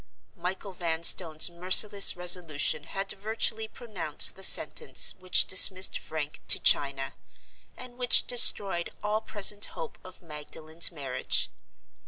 Michael Vanstone's merciless resolution had virtually pronounced the sentence which dismissed Frank to China, and which destroyed all present hope of Magdalen's marriage.